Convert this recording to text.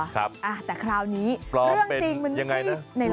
แต่คราวนี้เรื่องจริงมันไม่ใช่